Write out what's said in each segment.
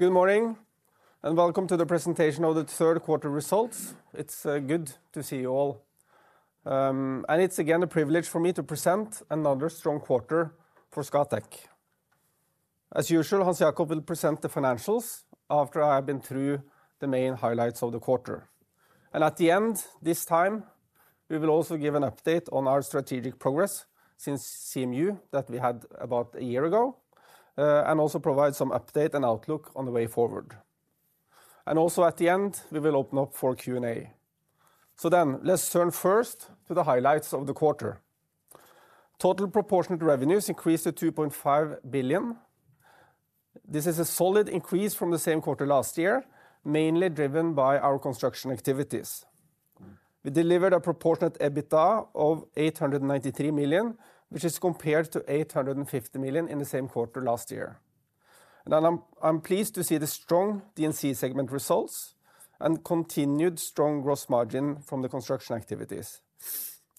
Good morning, and welcome to the presentation of the third quarter results. It's good to see you all. And it's again a privilege for me to present another strong quarter for Scatec. As usual, Hans Jakob will present the financials after I have been through the main highlights of the quarter. And at the end, this time, we will also give an update on our strategic progress since CMU that we had about a year ago, and also provide some update and outlook on the way forward. And also at the end, we will open up for Q&A. So then, let's turn first to the highlights of the quarter. Total proportionate revenues increased to 2.5 billion. This is a solid increase from the same quarter last year, mainly driven by our construction activities. We delivered a proportionate EBITDA of 893 million, which is compared to 850 million in the same quarter last year. I'm pleased to see the strong D&C segment results and continued strong gross margin from the construction activities.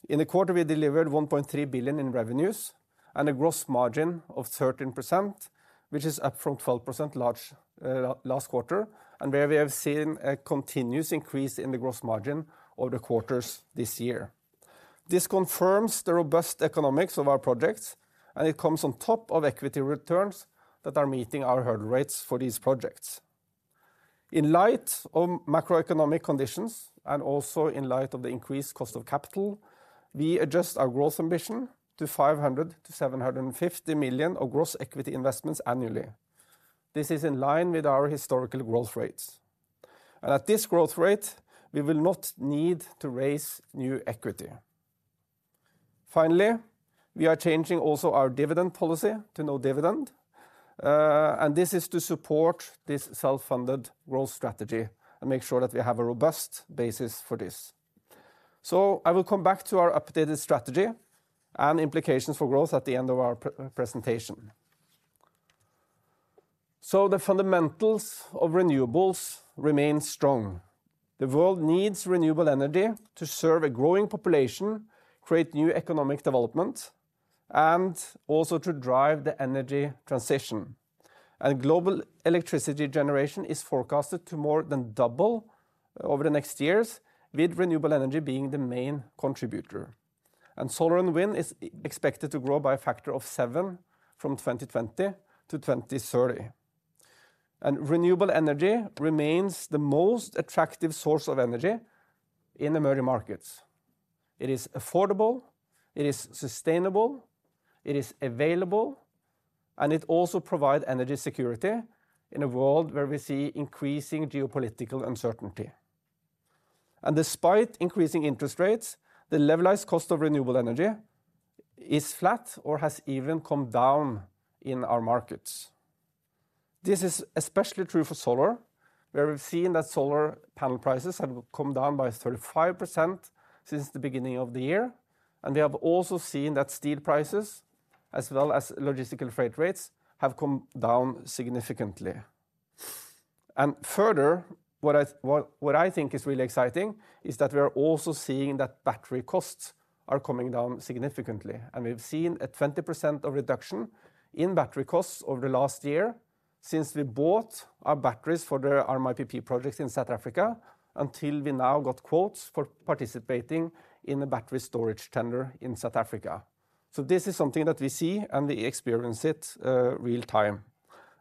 In the quarter, we delivered 1.3 billion in revenues and a gross margin of 13%, which is up from 12% last quarter, and where we have seen a continuous increase in the gross margin over the quarters this year. This confirms the robust economics of our projects, and it comes on top of equity returns that are meeting our hurdle rates for these projects. In light of macroeconomic conditions, and also in light of the increased cost of capital, we adjust our growth ambition to 500 million to 750 million of gross equity investments annually. This is in line with our historical growth rates. At this growth rate, we will not need to raise new equity. Finally, we are changing also our dividend policy to no dividend, and this is to support this self-funded growth strategy and make sure that we have a robust basis for this. I will come back to our updated strategy and implications for growth at the end of our presentation. The fundamentals of renewables remain strong. The world needs renewable energy to serve a growing population, create new economic development, and also to drive the energy transition. Global electricity generation is forecasted to more than double over the next years, with renewable energy being the main contributor. Solar and wind is expected to grow by a factor of seven from 2020 to 2030. Renewable energy remains the most attractive source of energy in emerging markets. It is affordable, it is sustainable, it is available, and it also provides energy security in a world where we see increasing geopolitical uncertainty. Despite increasing interest rates, the levelized cost of renewable energy is flat or has even come down in our markets. This is especially true for solar, where we've seen that solar panel prices have come down by 35% since the beginning of the year, and we have also seen that steel prices, as well as logistical freight rates, have come down significantly. Further, what I think is really exciting is that we are also seeing that battery costs are coming down significantly, and we've seen a 20% reduction in battery costs over the last year since we bought our batteries for the RMIPPPP projects in South Africa, until we now got quotes for participating in the battery storage tender in South Africa. So this is something that we see, and we experience it real time.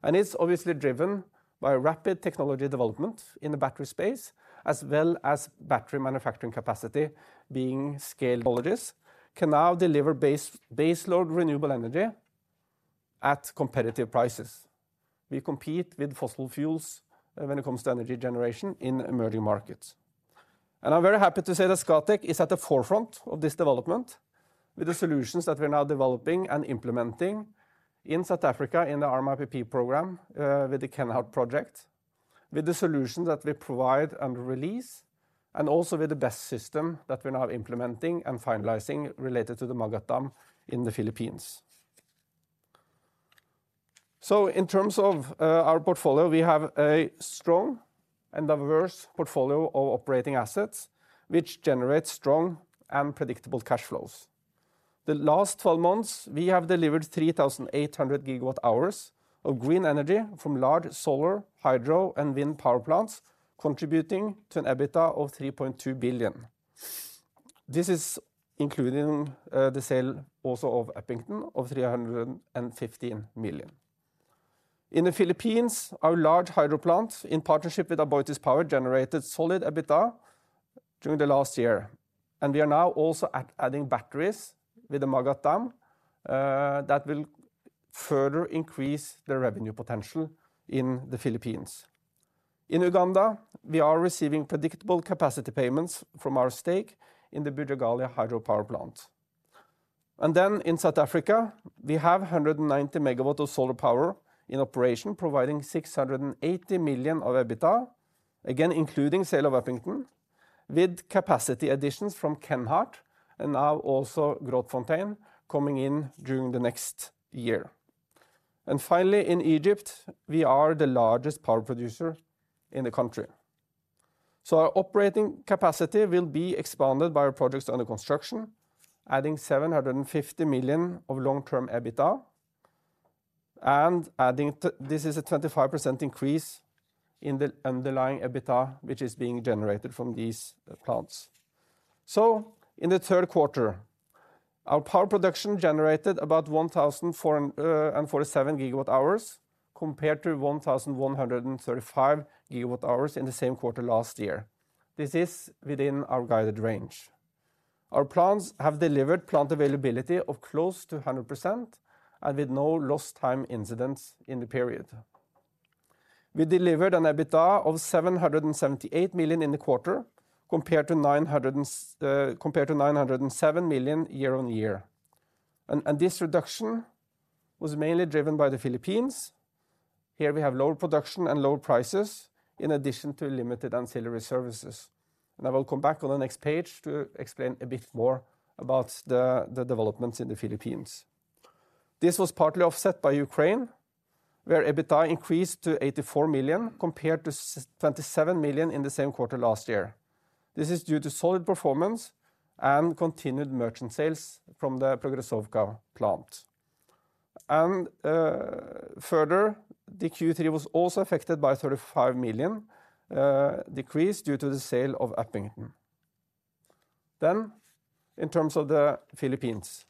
And it's obviously driven by rapid technology development in the battery space, as well as battery manufacturing capacity being scaled... technologies can now deliver baseload renewable energy at competitive prices. We compete with fossil fuels when it comes to energy generation in emerging markets. And I'm very happy to say that Scatec is at the forefront of this development, with the solutions that we're now developing and implementing in South Africa, in the RMIPPPP program, with the Kenhardt project, with the solutions that we provide and Release, and also with the BESS that we're now implementing and finalizing related to the Magat Dam in the Philippines. So in terms of our portfolio, we have a strong and diverse portfolio of operating assets, which generates strong and predictable cash flows. The last 12 months, we have delivered 3,800 GWh of green energy from large solar, hydro, and wind power plants, contributing to an EBITDA of 3.2 billion. This is including the sale also of Upington of 315 million. In the Philippines, our large hydro plant, in partnership with AboitizPower, generated solid EBITDA during the last year, and we are now also at adding batteries with the Magat Dam, that will further increase the revenue potential in the Philippines. In Uganda, we are receiving predictable capacity payments from our stake in the Bujagali Hydropower Plant. In South Africa, we have 190 MW of solar power in operation, providing 680 million of EBITDA, again, including sale of Upington, with capacity additions from Kenhardt and now also Grootfontein coming in during the next year. In Egypt, we are the largest power producer in the country. Our operating capacity will be expanded by our projects under construction, adding 750 million of long-term EBITDA. Adding this is a 25% increase in the underlying EBITDA, which is being generated from these plants. So in the third quarter, our power production generated about 1,447 GWh, compared to 1,135 GWh in the same quarter last year. This is within our guided range. Our plants have delivered plant availability of close to 100% and with no lost time incidents in the period. We delivered an EBITDA of 778 million in the quarter, compared to 907 million year-on-year. And this reduction was mainly driven by the Philippines. Here we have lower production and lower prices, in addition to limited ancillary services. I will come back on the next page to explain a bit more about the developments in the Philippines. This was partly offset by Ukraine, where EBITDA increased to 84 million compared to 27 million in the same quarter last year. This is due to solid performance and continued merchant sales from the Progressovka plant. Further, the Q3 was also affected by 35 million decrease due to the sale of Upington. Then, in terms of the Philippines,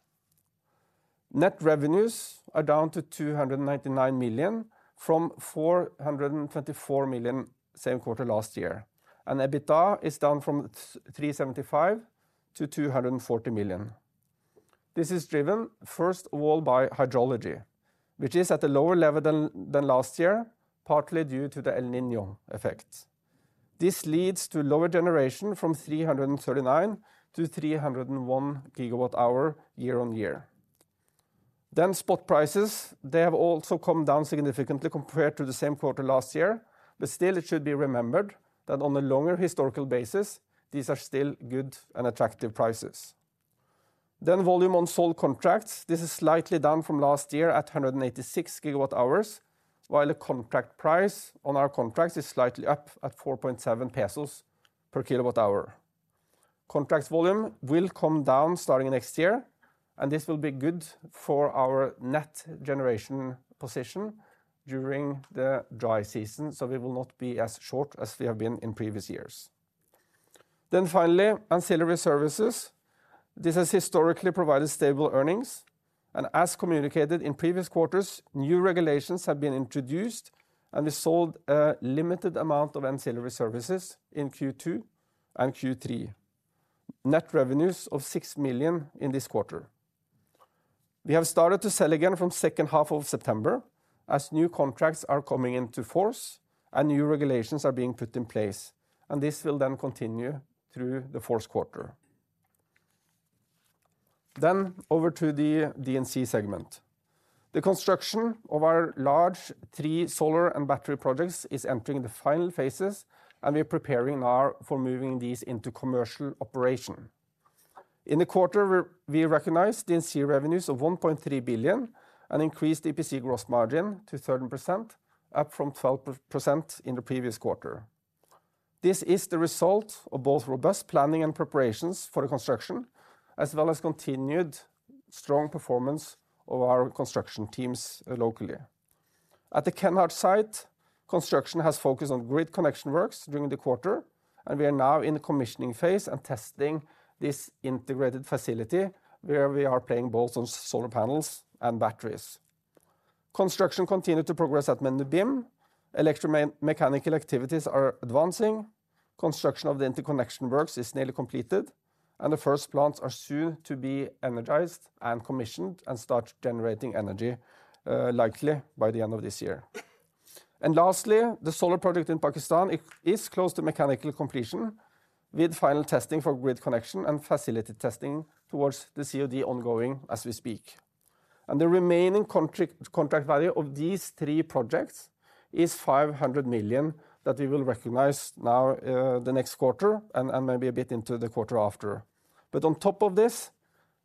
net revenues are down to 299 million, from 424 million same quarter last year, and EBITDA is down from 375 million to 240 million. This is driven, first of all, by hydrology, which is at a lower level than last year, partly due to the El Niño effect. This leads to lower generation from 339 GWh to 301 GWh year-on-year. Then spot prices, they have also come down significantly compared to the same quarter last year, but still it should be remembered that on a longer historical basis, these are still good and attractive prices. Then volume on sold contracts, this is slightly down from last year at 186 GWh, while the contract price on our contracts is slightly up at 4.7 PHP/kWh. Contracts volume will come down starting next year, and this will be good for our net generation position during the dry season, so we will not be as short as we have been in previous years. Then finally, ancillary services. This has historically provided stable earnings, and as communicated in previous quarters, new regulations have been introduced, and we sold a limited amount of ancillary services in Q2 and Q3. Net revenues of 6 million in this quarter. We have started to sell again from second half of September, as new contracts are coming into force and new regulations are being put in place, and this will then continue through the fourth quarter. Then over to the D&C segment. The construction of our large three solar and battery projects is entering the final phases, and we're preparing now for moving these into commercial operation. In the quarter, we recognized D&C revenues of 1.3 billion and increased EPC gross margin to 13%, up from 12% in the previous quarter. This is the result of both robust planning and preparations for the construction, as well as continued strong performance of our construction teams locally. At the Kenhardt site, construction has focused on grid connection works during the quarter, and we are now in the commissioning phase and testing this integrated facility, where we are playing both on solar panels and batteries. Construction continued to progress at Mendubim. Electro-mechanical activities are advancing, construction of the interconnection works is nearly completed, and the first plants are soon to be energized and commissioned and start generating energy, likely by the end of this year. Lastly, the solar project in Pakistan is close to mechanical completion, with final testing for grid connection and facility testing towards the COD ongoing as we speak. The remaining contract value of these three projects is 500 million, that we will recognize now, the next quarter and maybe a bit into the quarter after. But on top of this,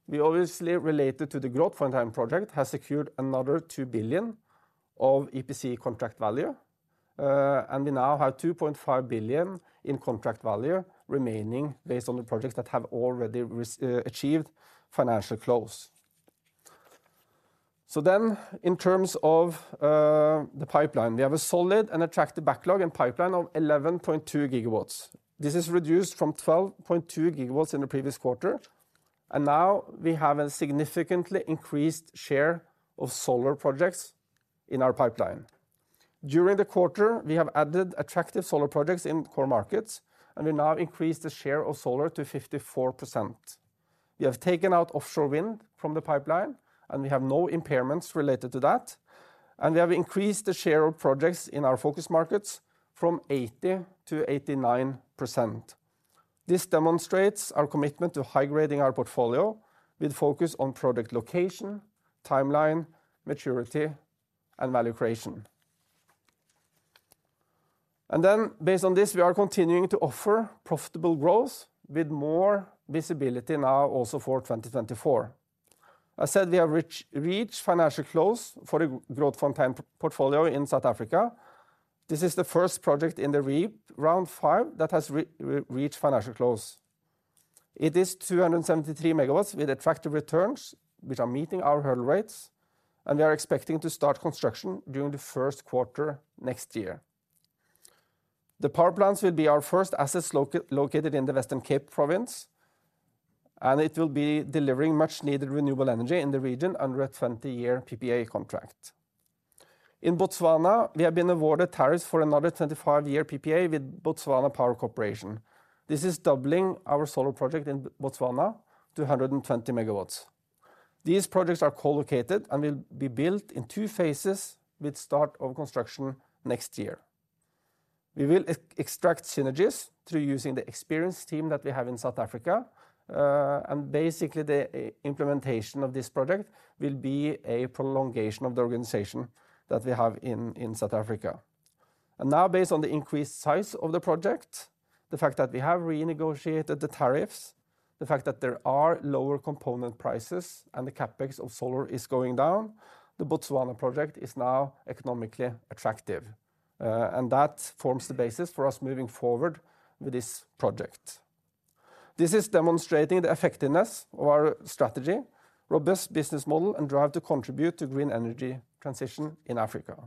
we obviously, related to the Grootfontein project, has secured another 2 billion of EPC contract value, and we now have 2.5 billion in contract value remaining based on the projects that have already achieved financial close. So then, in terms of the pipeline, we have a solid and attractive backlog and pipeline of 11.2 GW. This is reduced from 12.2 GW in the previous quarter, and now we have a significantly increased share of solar projects in our pipeline. During the quarter, we have added attractive solar projects in core markets, and we now increase the share of solar to 54%. We have taken out offshore wind from the pipeline, and we have no impairments related to that, and we have increased the share of projects in our focus markets from 80% to 89%. This demonstrates our commitment to high-grading our portfolio with focus on project location, timeline, maturity, and value creation. Then, based on this, we are continuing to offer profitable growth with more visibility now also for 2024. I said we have reached financial close for the Grootfontein portfolio in South Africa. This is the first project in the REIPPPP Round 5 that has reached financial close. It is 273 MW with attractive returns, which are meeting our hurdle rates, and we are expecting to start construction during the first quarter next year. The power plants will be our first assets located in the Western Cape Province, and it will be delivering much-needed renewable energy in the region under a 20-year PPA contract. In Botswana, we have been awarded tariffs for another 25-year PPA with Botswana Power Corporation. This is doubling our solar project in Botswana to 120 MW. These projects are co-located and will be built in two phases, with start of construction next year. We will extract synergies through using the experienced team that we have in South Africa, and basically, the implementation of this project will be a prolongation of the organization that we have in South Africa. Now, based on the increased size of the project, the fact that we have renegotiated the tariffs, the fact that there are lower component prices and the CapEx of solar is going down, the Botswana project is now economically attractive. And that forms the basis for us moving forward with this project. This is demonstrating the effectiveness of our strategy, robust business model, and drive to contribute to green energy transition in Africa.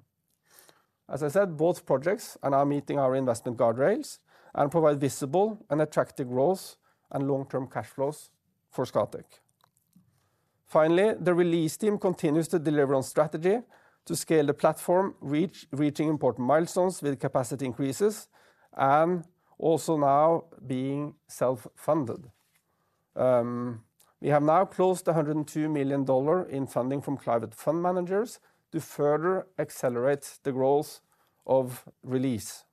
As I said, both projects are now meeting our investment guardrails and provide visible and attractive growth and long-term cash flows for Scatec. Finally, the Release team continues to deliver on strategy to scale the platform, reaching important milestones with capacity increases and also now being self-funded. We have now closed $102 million in funding from Climate Fund Managers to further accelerate the growth of Release.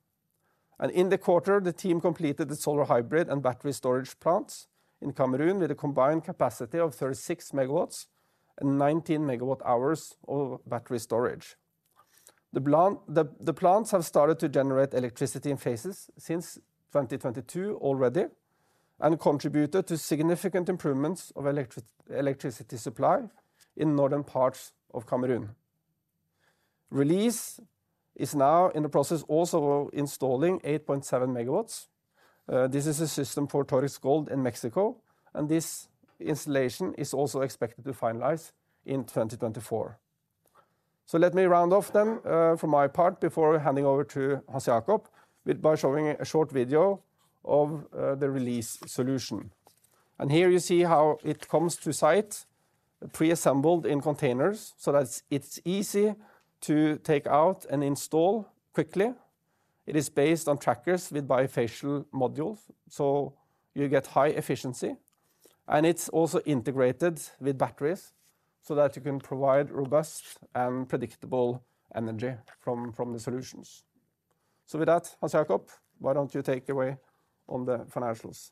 In the quarter, the team completed the solar hybrid and battery storage plants in Cameroon with a combined capacity of 36 MW and 19 MWh of battery storage. The plants have started to generate electricity in phases since 2022 already and contributed to significant improvements of electricity supply in northern parts of Cameroon. Release is now in the process also of installing 8.7 MW. This is a system for Torex Gold in Mexico, and this installation is also expected to finalize in 2024. So let me round off then, for my part, before handing over to Hans Jakob, with by showing a short video of the Release solution. Here you see how it comes to site, pre-assembled in containers, so that's it's easy to take out and install quickly. It is based on trackers with bifacial modules, so you get high efficiency, and it's also integrated with batteries so that you can provide robust and predictable energy from the solutions. So with that, Hans Jakob, why don't you take away on the financials?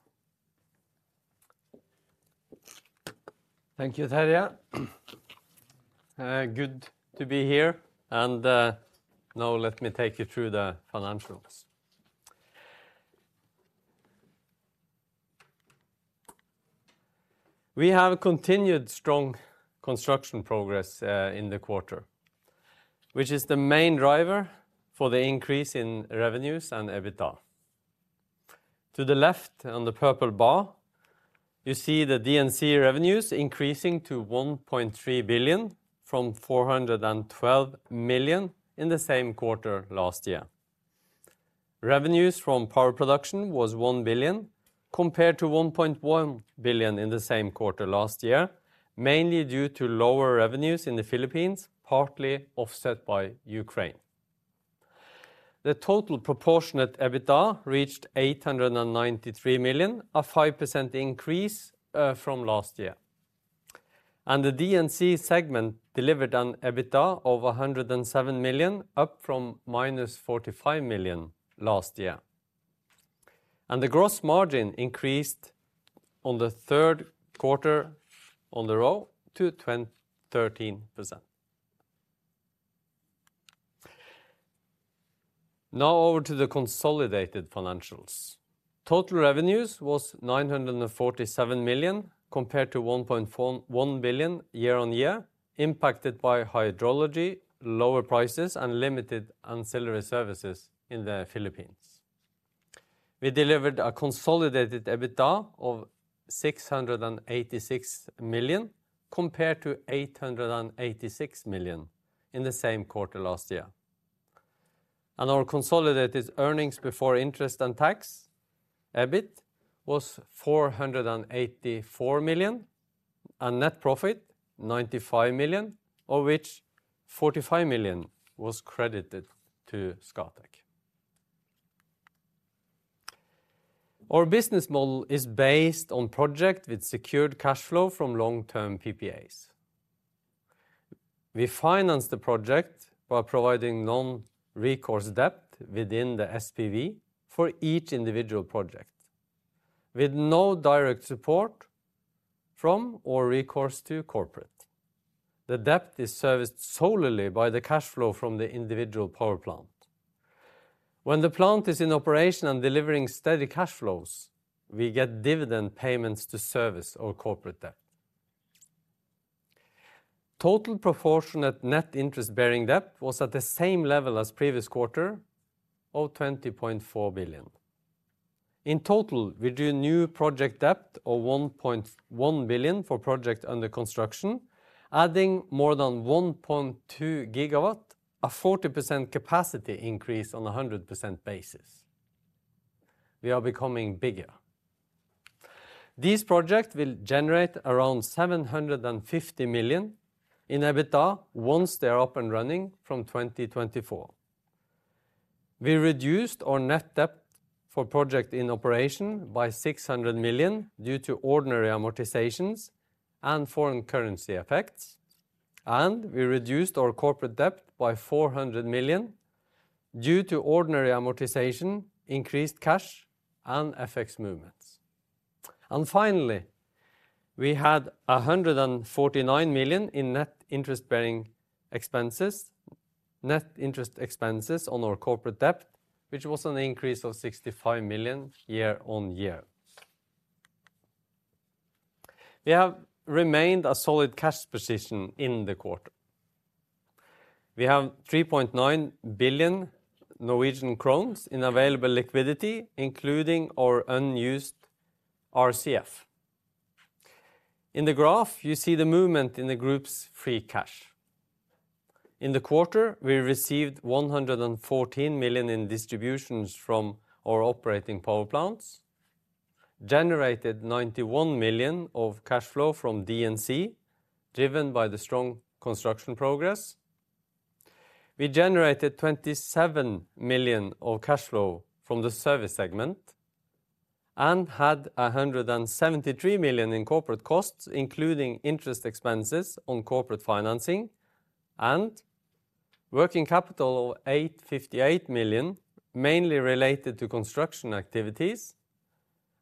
Thank you, Terje. Good to be here, and, now let me take you through the financials. We have continued strong construction progress, in the quarter, which is the main driver for the increase in revenues and EBITDA. To the left, on the purple bar, you see the D&C revenues increasing to 1.3 billion, from 412 million in the same quarter last year. Revenues from power production was 1 billion, compared to 1.1 billion in the same quarter last year, mainly due to lower revenues in the Philippines, partly offset by Ukraine. The total proportionate EBITDA reached 893 million, a 5% increase, from last year. And the D&C segment delivered an EBITDA of 107 million, up from -45 million last year. The gross margin increased in the third quarter year-over-year to 13%. Now, over to the consolidated financials. Total revenues was 947 million, compared to 1.41 billion year-on-year, impacted by hydrology, lower prices, and limited ancillary services in the Philippines. We delivered a consolidated EBITDA of 686 million, compared to 886 million in the same quarter last year. Our consolidated earnings before interest and tax, EBIT, was 484 million, and net profit, 95 million, of which 45 million was credited to Scatec. Our business model is based on project with secured cash flow from long-term PPAs. We finance the project by providing non-recourse debt within the SPV for each individual project, with no direct support from or recourse to corporate. The debt is serviced solely by the cash flow from the individual power plant. When the plant is in operation and delivering steady cash flows, we get dividend payments to service our corporate debt. Total proportionate net interest-bearing debt was at the same level as previous quarter of 20.4 billion. In total, we drew new project debt of 1.1 billion for project under construction, adding more than 1.2 GW, a 40% capacity increase on a 100% basis. We are becoming bigger. These projects will generate around 750 million in EBITDA once they are up and running from 2024. We reduced our net debt for project in operation by 600 million due to ordinary amortizations and foreign currency effects, and we reduced our corporate debt by 400 million due to ordinary amortization, increased cash, and FX movements. And finally, we had 149 million in net interest-bearing expenses, net interest expenses on our corporate debt, which was an increase of 65 million year-on-year. We have remained a solid cash position in the quarter. We have 3.9 billion in available liquidity, including our unused RCF. In the graph, you see the movement in the group's free cash. In the quarter, we received 114 million in distributions from our operating power plants, generated 91 million of cash flow from D&C, driven by the strong construction progress. We generated 27 million of cash flow from the service segment and had 173 million in corporate costs, including interest expenses on corporate financing and working capital of 858 million, mainly related to construction activities.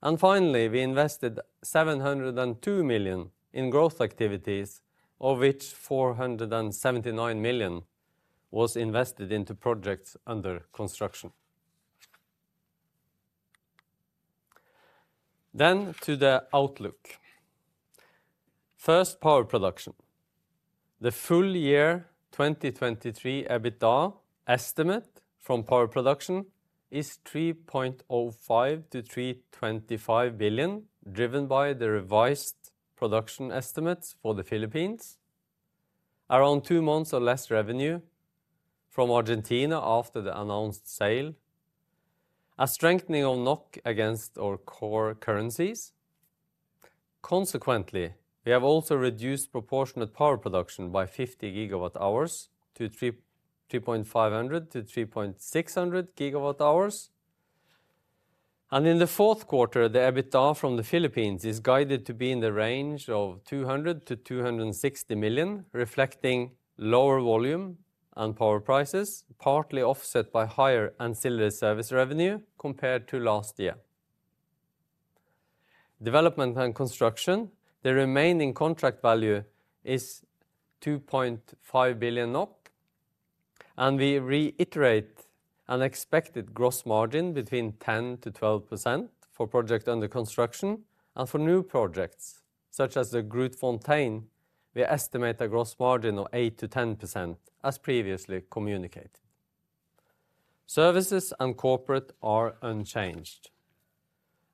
And finally, we invested 702 million in growth activities, of which 479 million was invested into projects under construction. To the outlook. First, power production. The full year 2023 EBITDA estimate from power production is 3.05 billion-3.25 billion, driven by the revised production estimates for the Philippines. Around two months or less revenue from Argentina after the announced sale. A strengthening of NOK against our core currencies. Consequently, we have also reduced proportionate power production by 50 GWh to 3,350 GWh to 3,600 GWh. And in the fourth quarter, the EBITDA from the Philippines is guided to be in the range of 200 to 260 million, reflecting lower volume and power prices, partly offset by higher ancillary service revenue compared to last year. Development and construction, the remaining contract value is 2.5 billion NOK, and we reiterate an expected gross margin between 10% to 12% for project under construction. And for new projects, such as the Grootfontein, we estimate a gross margin of 8% to 10%, as previously communicated. Services and corporate are unchanged.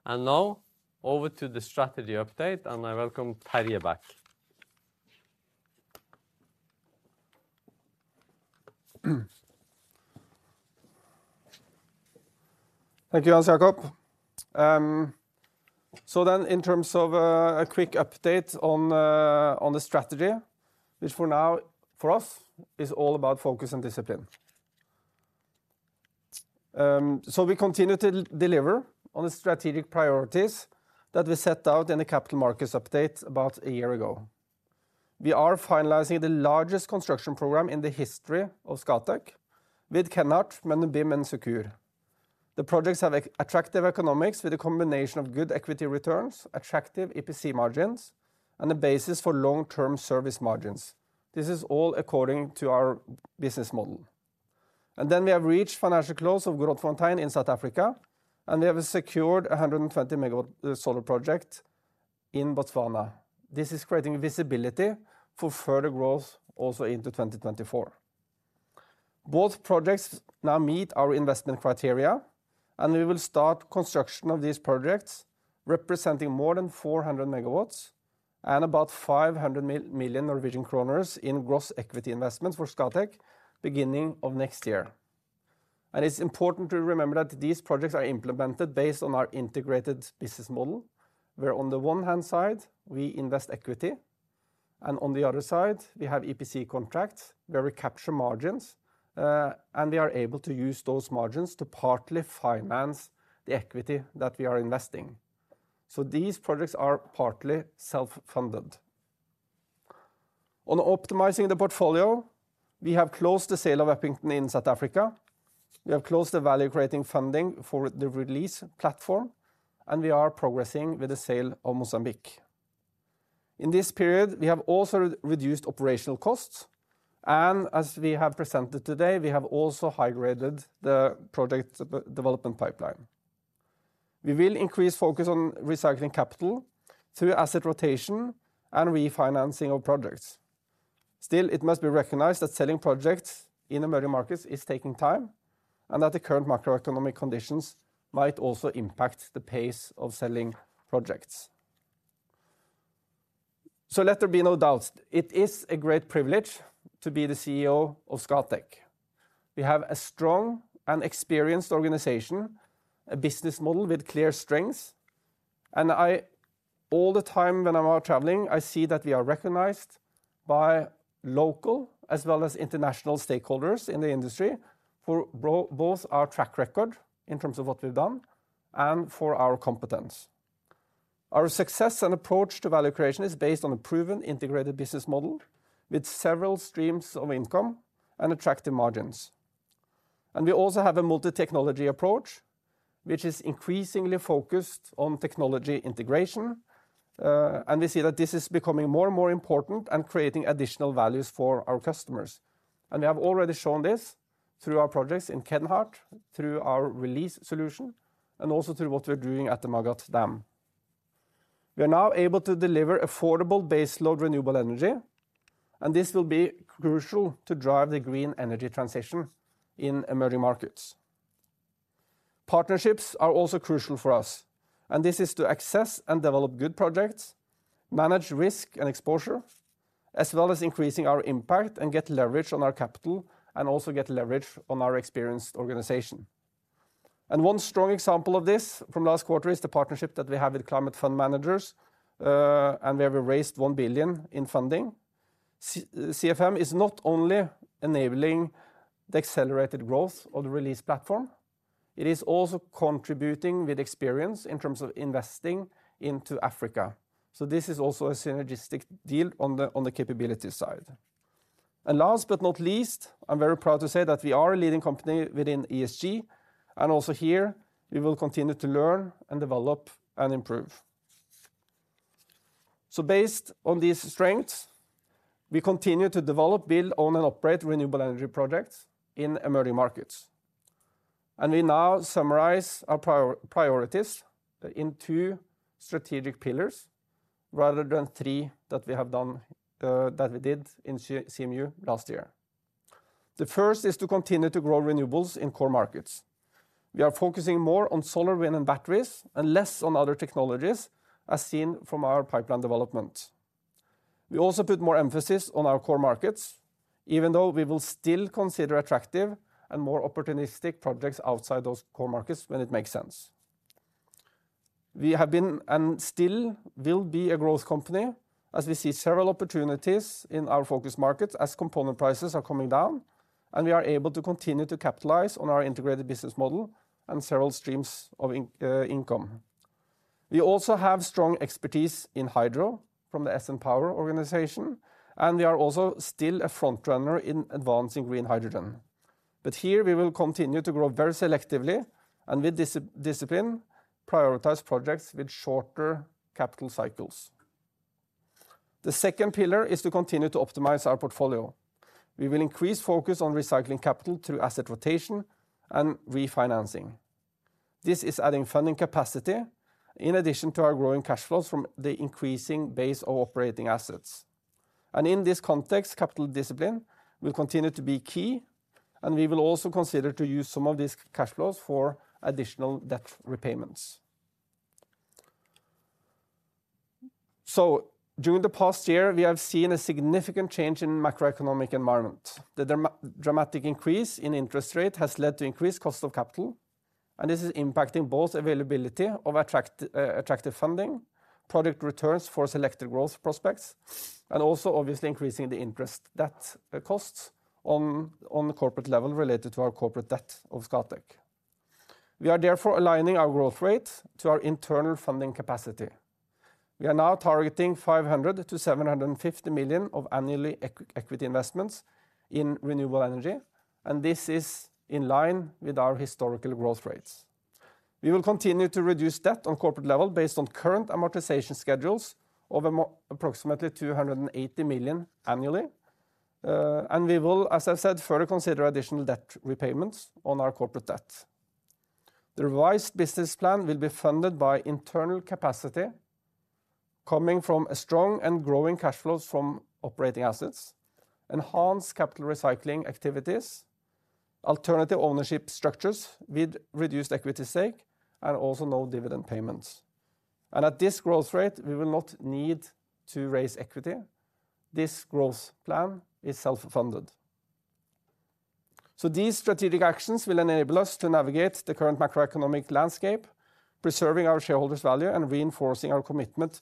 And now, over to the strategy update, and I welcome Terje back. Thank you, Hans Jakob. So then, in terms of a quick update on the strategy, which for now, for us, is all about focus and discipline. So we continue to deliver on the strategic priorities that we set out in the capital markets update about a year ago. We are finalizing the largest construction program in the history of Scatec with Kenhardt, Mendubim, and Sukkur. The projects have attractive economics with a combination of good equity returns, attractive EPC margins, and the basis for long-term service margins. This is all according to our business model. And then we have reached financial close of Grootfontein in South Africa, and we have secured a 120 MW solar project in Botswana. This is creating visibility for further growth also into 2024. Both projects now meet our investment criteria, and we will start construction of these projects, representing more than 400 MW and about 500 million Norwegian kroner in gross equity investments for Scatec beginning of next year. It's important to remember that these projects are implemented based on our integrated business model, where on the one hand side, we invest equity, and on the other side, we have EPC contracts, where we capture margins, and we are able to use those margins to partly finance the equity that we are investing. So these projects are partly self-funded. On optimizing the portfolio, we have closed the sale of Upington in South Africa. We have closed the value-creating funding for the Release platform, and we are progressing with the sale of Mozambique.... In this period, we have also reduced operational costs, and as we have presented today, we have also high-graded the project development pipeline. We will increase focus on recycling capital through asset rotation and refinancing of projects. Still, it must be recognized that selling projects in emerging markets is taking time, and that the current macroeconomic conditions might also impact the pace of selling projects. So let there be no doubts, it is a great privilege to be the CEO of Scatec. We have a strong and experienced organization, a business model with clear strengths, and I, all the time when I'm out traveling, I see that we are recognized by local as well as international stakeholders in the industry, for both our track record in terms of what we've done and for our competence. Our success and approach to value creation is based on a proven integrated business model, with several streams of income and attractive margins. We also have a multi-technology approach, which is increasingly focused on technology integration, and we see that this is becoming more and more important and creating additional values for our customers. We have already shown this through our projects in Kenhardt, through our Release solution, and also through what we're doing at the Magat Dam. We are now able to deliver affordable baseload renewable energy, and this will be crucial to drive the green energy transition in emerging markets. Partnerships are also crucial for us, and this is to access and develop good projects, manage risk and exposure, as well as increasing our impact and get leverage on our capital, and also get leverage on our experienced organization. One strong example of this from last quarter is the partnership that we have with Climate Fund Managers, and we have raised $1 billion in funding. CFM is not only enabling the accelerated growth of the Release platform, it is also contributing with experience in terms of investing into Africa. This is also a synergistic deal on the capability side. And last but not least, I'm very proud to say that we are a leading company within ESG, and also here, we will continue to learn and develop and improve. So based on these strengths, we continue to develop, build, own, and operate renewable energy projects in emerging markets. And we now summarize our priorities in two strategic pillars, rather than three that we have done, that we did in CMU last year. The first is to continue to grow renewables in core markets. We are focusing more on solar, wind and batteries, and less on other technologies, as seen from our pipeline development. We also put more emphasis on our core markets, even though we will still consider attractive and more opportunistic projects outside those core markets when it makes sense. We have been, and still will be, a growth company as we see several opportunities in our focus markets as component prices are coming down, and we are able to continue to capitalize on our integrated business model and several streams of income. We also have strong expertise in hydro from the SN Power organization, and we are also still a front runner in advancing green hydrogen. But here we will continue to grow very selectively and with discipline, prioritize projects with shorter capital cycles. The second pillar is to continue to optimize our portfolio. We will increase focus on recycling capital through asset rotation and refinancing. This is adding funding capacity in addition to our growing cash flows from the increasing base of operating assets. In this context, capital discipline will continue to be key, and we will also consider to use some of these cash flows for additional debt repayments. During the past year, we have seen a significant change in macroeconomic environment. The dramatic increase in interest rate has led to increased cost of capital, and this is impacting both availability of attractive funding, product returns for selected growth prospects, and also obviously increasing the interest debt costs on the corporate level related to our corporate debt of Scatec. We are therefore aligning our growth rate to our internal funding capacity. We are now targeting 500 million to 750 million of annual equity investments in renewable energy, and this is in line with our historical growth rates. We will continue to reduce debt on corporate level based on current amortization schedules of approximately 280 million annually. And we will, as I've said, further consider additional debt repayments on our corporate debt. The revised business plan will be funded by internal capacity coming from a strong and growing cash flows from operating assets, enhanced capital recycling activities, alternative ownership structures with reduced equity stake, and also no dividend payments. At this growth rate, we will not need to raise equity. This growth plan is self-funded. These strategic actions will enable us to navigate the current macroeconomic landscape, preserving our shareholders' value, and reinforcing our commitment to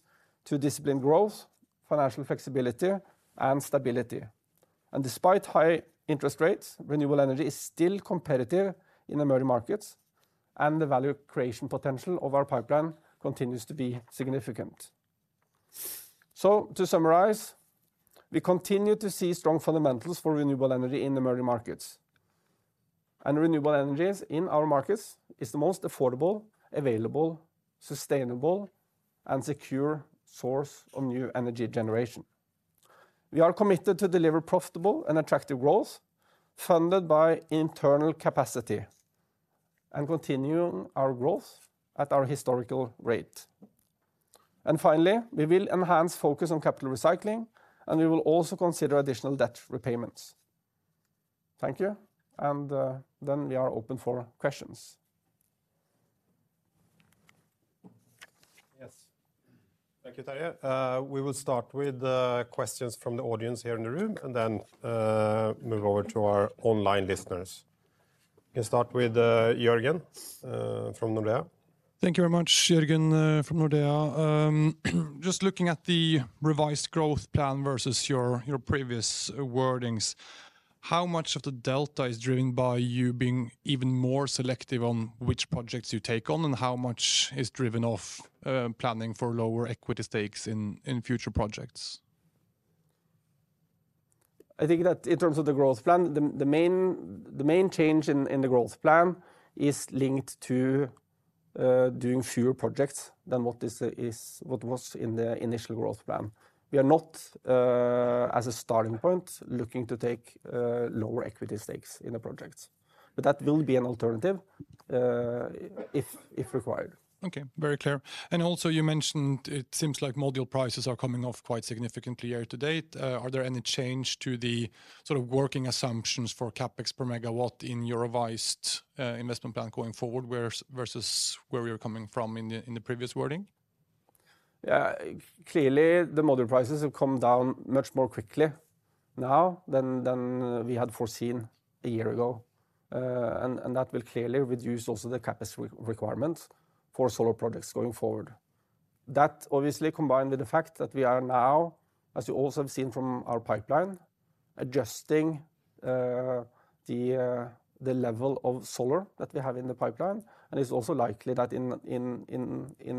disciplined growth, financial flexibility, and stability. Despite high interest rates, renewable energy is still competitive in emerging markets, and the value creation potential of our pipeline continues to be significant. So to summarize, we continue to see strong fundamentals for renewable energy in emerging markets... and renewable energies in our markets is the most affordable, available, sustainable, and secure source of new energy generation. We are committed to deliver profitable and attractive growth, funded by internal capacity, and continuing our growth at our historical rate. And finally, we will enhance focus on capital recycling, and we will also consider additional debt repayments. Thank you, and then we are open for questions. Yes. Thank you, Terje. We will start with questions from the audience here in the room, and then move over to our online listeners. We can start with Jørgen from Nordea. Thank you very much. Jørgen, from Nordea. Just looking at the revised growth plan versus your, your previous wordings, how much of the delta is driven by you being even more selective on which projects you take on? And how much is driven off planning for lower equity stakes in, in future projects? I think that in terms of the growth plan, the main change in the growth plan is linked to doing fewer projects than what was in the initial growth plan. We are not, as a starting point, looking to take lower equity stakes in the projects, but that will be an alternative if required. Okay, very clear. And also, you mentioned it seems like module prices are coming off quite significantly year to date. Are there any change to the sort of working assumptions for CapEx per megawatt in your revised investment plan going forward, whereas versus where we were coming from in the previous wording? Yeah. Clearly, the module prices have come down much more quickly now than we had foreseen a year ago. And that will clearly reduce also the CapEx requirement for solar projects going forward. That, obviously, combined with the fact that we are now, as you also have seen from our pipeline, adjusting the level of solar that we have in the pipeline. And it's also likely that in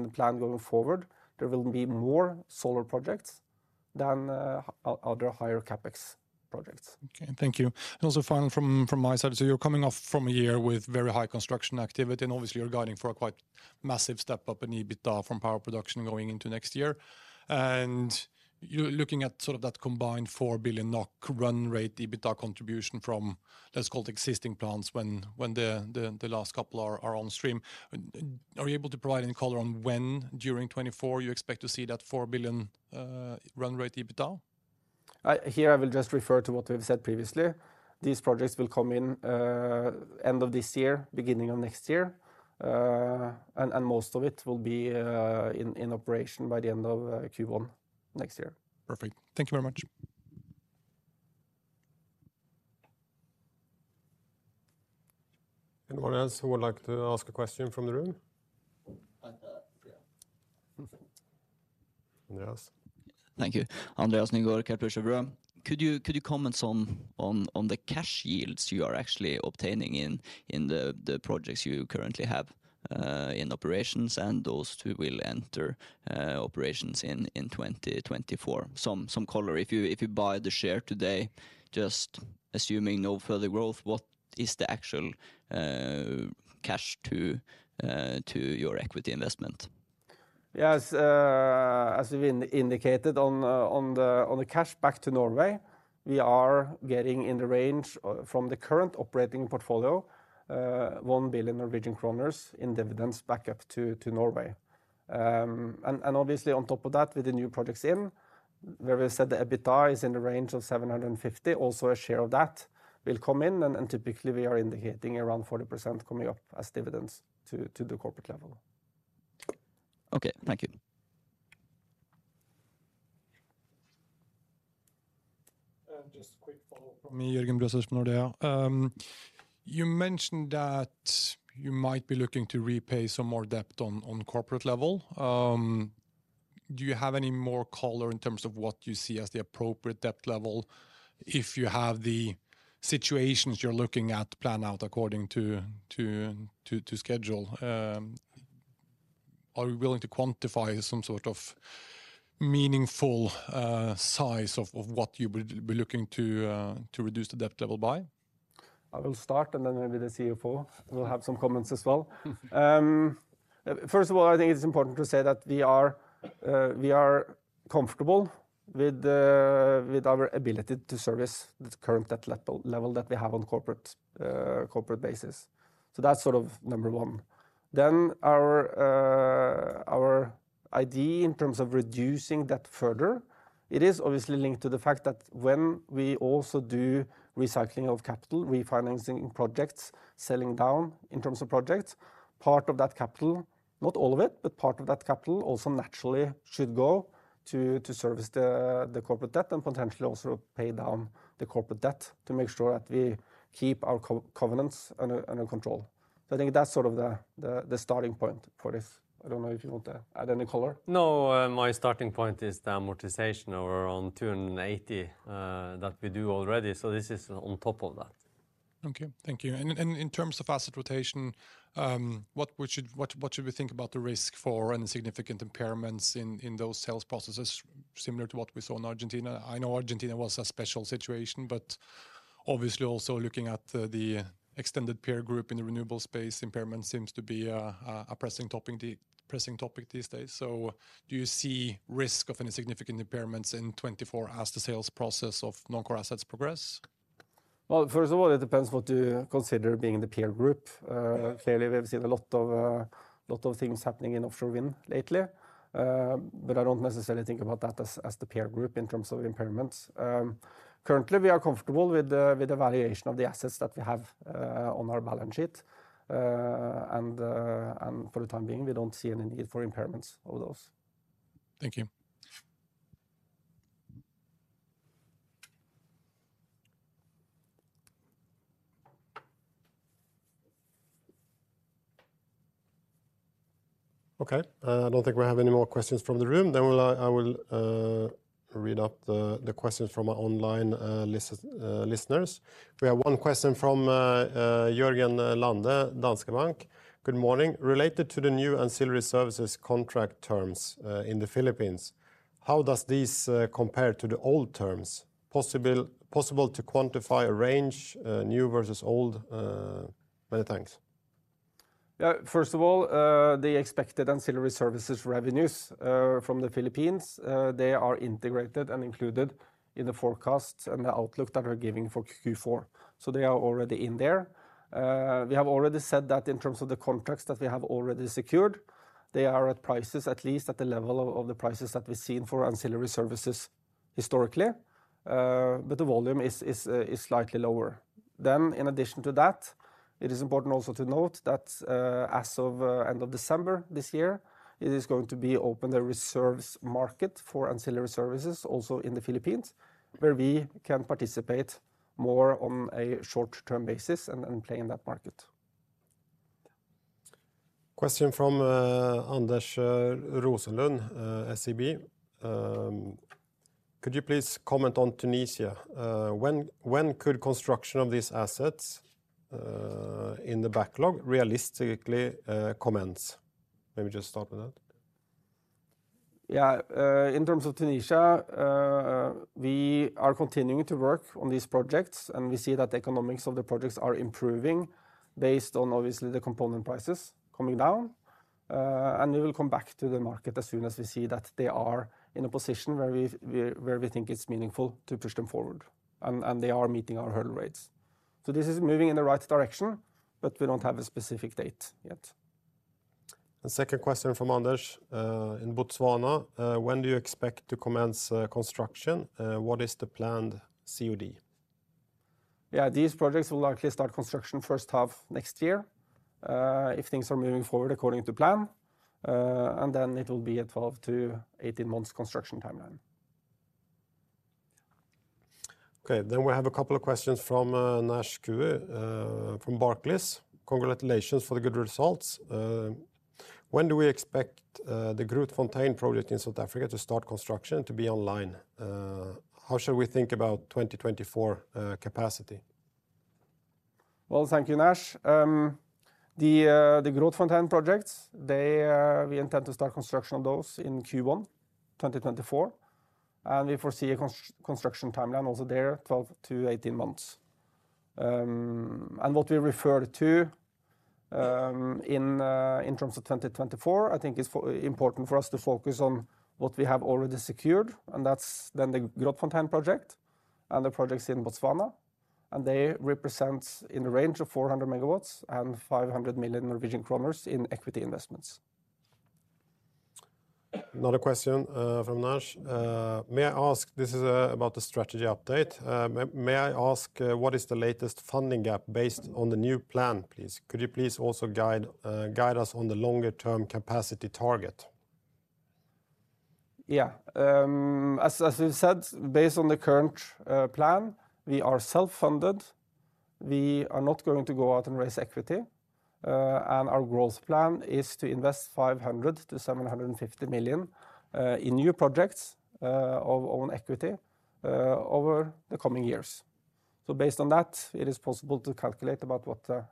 the plan going forward, there will be more solar projects than other higher CapEx projects. Okay, thank you. And also final from my side, so you're coming off from a year with very high construction activity, and obviously you're guiding for a quite massive step-up in EBITDA from power production going into next year. And you're looking at sort of that combined 4 billion NOK run-rate EBITDA contribution from, let's call it, existing plants, when the last couple are on stream. Are you able to provide any color on when, during 2024, you expect to see that 4 billion run-rate EBITDA? Here, I will just refer to what we've said previously. These projects will come in end of this year, beginning of next year. And most of it will be in operation by the end of Q1 next year. Perfect. Thank you very much. Anyone else who would like to ask a question from the room? I, yeah. Andreas. Thank you. Andreas Nygård, Kepler Cheuvreux. Could you comment on the cash yields you are actually obtaining in the projects you currently have in operations, and those two will enter operations in 2024? Some color. If you buy the share today, just assuming no further growth, what is the actual cash to your equity investment? Yes, as we've indicated on the cash back to Norway, we are getting in the range from the current operating portfolio 1 billion Norwegian kroner in dividends back up to Norway. And obviously, on top of that, with the new projects in, where we said the EBITDA is in the range of 750, also a share of that will come in, and typically we are indicating around 40% coming up as dividends to the corporate level. Okay, thank you. Just a quick follow-up from me, Jørgen Bruaset from Nordea. You mentioned that you might be looking to repay some more debt on corporate level. Do you have any more color in terms of what you see as the appropriate debt level, if the situations you're looking at plan out according to schedule? Are we willing to quantify some sort of meaningful size of what you would be looking to reduce the debt level by? I will start, and then maybe the CFO will have some comments as well. First of all, I think it's important to say that we are, we are comfortable with, with our ability to service the current debt level, level that we have on corporate, corporate basis. So that's sort of number one. Then our, our idea in terms of reducing that further, it is obviously linked to the fact that when we also do recycling of capital, refinancing projects, selling down in terms of projects, part of that capital, not all of it, but part of that capital also naturally should go to, to service the, the corporate debt and potentially also pay down the corporate debt to make sure that we keep our covenants under, under control. I think that's sort of the, the, the starting point for this. I don't know if you want to add any color. No, my starting point is the amortization around 280 that we do already, so this is on top of that. Okay, thank you. And in terms of asset rotation, what, what should we think about the risk for any significant impairments in those sales processes, similar to what we saw in Argentina? I know Argentina was a special situation, but-... obviously also looking at the extended peer group in the renewable space, impairment seems to be a pressing topic, the pressing topic these days. So do you see risk of any significant impairments in 2024 as the sales process of non-core assets progress? Well, first of all, it depends what you consider being in the peer group. Clearly, we've seen a lot of things happening in offshore wind lately. But I don't necessarily think about that as the peer group in terms of impairments. Currently, we are comfortable with the valuation of the assets that we have on our balance sheet. And for the time being, we don't see any need for impairments of those. Thank you. Okay, I don't think we have any more questions from the room. Then we'll, I will, read out the questions from our online listeners. We have one question from Jørgen Lande, Danske Bank. "Good morning. Related to the new ancillary services contract terms in the Philippines, how does this compare to the old terms? Possible to quantify a range, new versus old? Many thanks. Yeah, first of all, the expected ancillary services revenues from the Philippines, they are integrated and included in the forecast and the outlook that we're giving for Q4, so they are already in there. We have already said that in terms of the contracts that we have already secured, they are at prices, at least at the level of the prices that we've seen for ancillary services historically. But the volume is slightly lower. Then in addition to that, it is important also to note that, as of end of December this year, it is going to be open the reserves market for ancillary services also in the Philippines, where we can participate more on a short-term basis and play in that market. Question from Anders Rosenlund, SEB. Could you please comment on Tunisia? When, when could construction of these assets in the backlog realistically commence? Maybe just start with that. Yeah, in terms of Tunisia, we are continuing to work on these projects, and we see that the economics of the projects are improving based on obviously the component prices coming down. And we will come back to the market as soon as we see that they are in a position where we think it's meaningful to push them forward, and they are meeting our hurdle rates. So this is moving in the right direction, but we don't have a specific date yet. Second question from Anders. "In Botswana, when do you expect to commence construction? What is the planned COD? Yeah, these projects will likely start construction first half next year, if things are moving forward according to plan. And then it will be a 12 to 18 months construction timeline. Okay, then we have a couple of questions from, Dominic Nash, from Barclays. "Congratulations for the good results. When do we expect, the Grootfontein project in South Africa to start construction to be online? How should we think about 2024, capacity? Well, thank you, Nash. The Grootfontein projects, they, we intend to start construction on those in Q1 2024, and we foresee a construction timeline also there, 12-18 months. And what we refer to, in terms of 2024, I think it's important for us to focus on what we have already secured, and that's then the Grootfontein project and the projects in Botswana, and they represent in the range of 400 MW and 500 million Norwegian kroner in equity investments. Another question from Nishant. May I ask... This is about the strategy update. May I ask what is the latest funding gap based on the new plan, please? Could you please also guide us on the longer-term capacity target? Yeah. As, as we said, based on the current plan, we are self-funded. We are not going to go out and raise equity, and our growth plan is to invest 500 million-750 million in new projects of own equity over the coming years. So based on that, it is possible to calculate about what,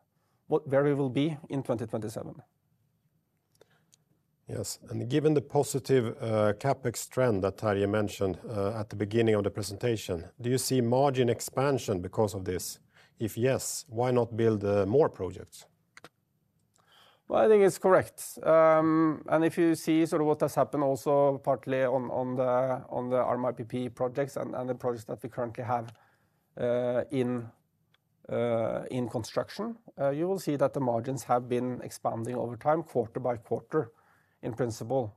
what value will be in 2027. Yes, and given the positive CapEx trend that Terje mentioned at the beginning of the presentation, do you see margin expansion because of this? If yes, why not build more projects? Well, I think it's correct. And if you see sort of what has happened also partly on the RMIPPPP projects and the projects that we currently have in construction, you will see that the margins have been expanding over time, quarter by quarter, in principle.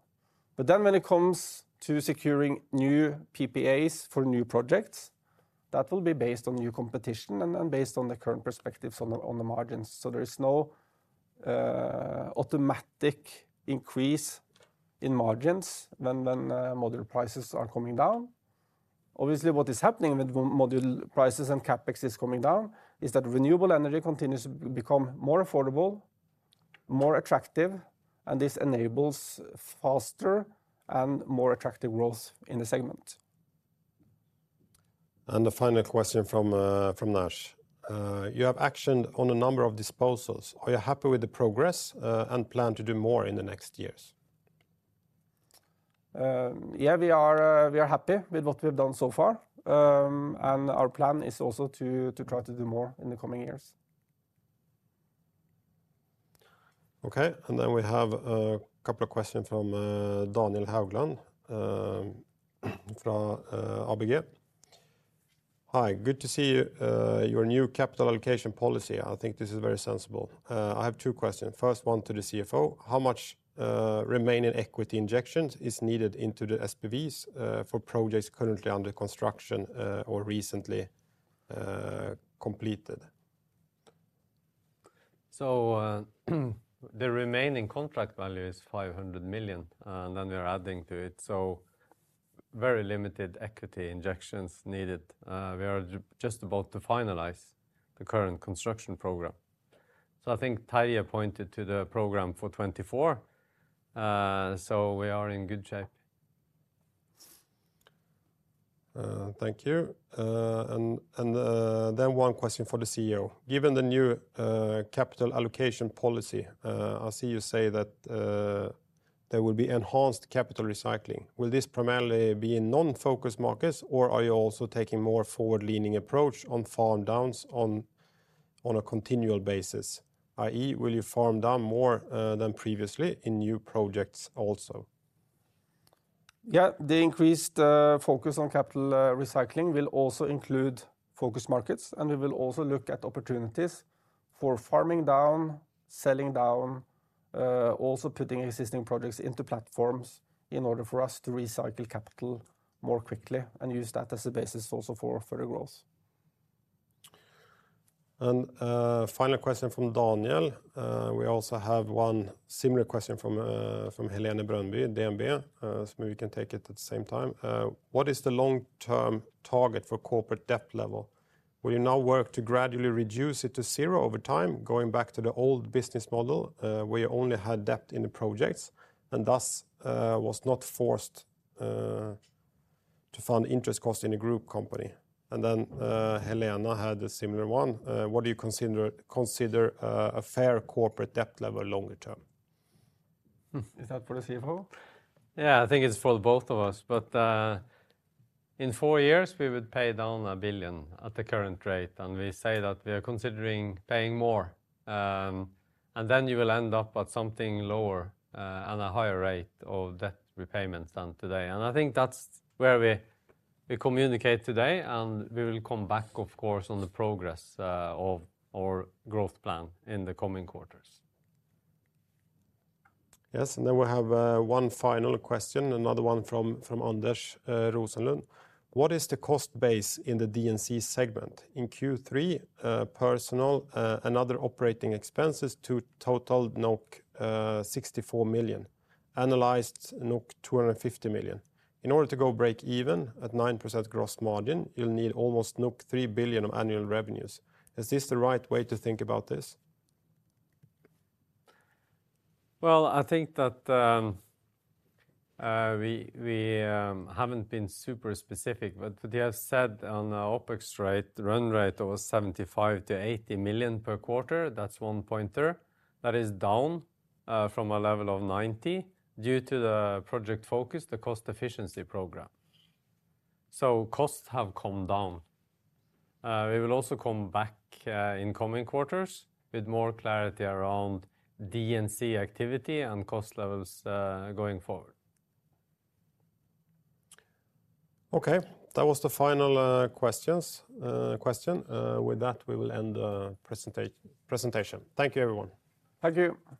But then when it comes to securing new PPAs for new projects, that will be based on new competition and then based on the current perspectives on the margins. So there is no automatic increase in margins when module prices are coming down. Obviously, what is happening with module prices and CapEx is coming down, is that renewable energy continues to become more affordable, more attractive, and this enables faster and more attractive growth in the segment. The final question from Nash: "You have actioned on a number of disposals. Are you happy with the progress, and plan to do more in the next years?... yeah, we are, we are happy with what we have done so far. And our plan is also to try to do more in the coming years. Okay, and then we have a couple of questions from Daniel Haugland from ABG. "Hi, good to see your new capital allocation policy. I think this is very sensible. I have two questions. First one to the CFO: How much remaining equity injections is needed into the SPVs for projects currently under construction or recently completed? So, the remaining contract value is 500 million, and then we are adding to it, so very limited equity injections needed. We are just about to finalize the current construction program. So I think Terje pointed to the program for 2024, so we are in good shape. Thank you. And then one question for the CEO: "Given the new capital allocation policy, I see you say that there will be enhanced capital recycling. Will this primarily be in non-focus markets, or are you also taking more forward-leaning approach on farm downs on a continual basis, i.e., will you farm down more than previously in new projects also? Yeah, the increased focus on capital recycling will also include focus markets, and we will also look at opportunities for farming down, selling down, also putting existing projects into platforms in order for us to recycle capital more quickly and use that as a basis also for further growth. Final question from Daniel. We also have one similar question from Helene Brunnby, DNB. So maybe we can take it at the same time. "What is the long-term target for corporate debt level? Will you now work to gradually reduce it to zero over time, going back to the old business model, where you only had debt in the projects, and thus was not forced to fund interest cost in a group company?" And then, Helene had a similar one: "What do you consider a fair corporate debt level longer term? Is that for the CFO? Yeah, I think it's for both of us, but in four years, we would pay down 1 billion at the current rate, and we say that we are considering paying more. Then you will end up at something lower, and a higher rate of debt repayments than today. And I think that's where we communicate today, and we will come back, of course, on the progress of our growth plan in the coming quarters. Yes, and then we have one final question, another one from, from Anders Rosenlund: "What is the cost base in the D&C segment? In Q3, personal, and other operating expenses total 64 million, annualized 250 million. In order to go break even at 9% gross margin, you'll need almost 3 billion of annual revenues. Is this the right way to think about this? Well, I think that we haven't been super specific, but they have said on the OPEX run rate over 75-80 million per quarter, that's one pointer. That is down from a level of 90 due to the project focus, the cost efficiency program. So costs have come down. We will also come back in coming quarters with more clarity around D&C activity and cost levels going forward. Okay, that was the final, questions, question. With that, we will end the presentation. Thank you, everyone. Thank you.